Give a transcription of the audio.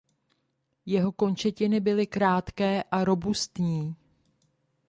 Jeho končetiny byly krátké a robustní.